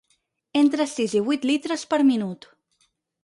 Entre sis i vuit litres per minut.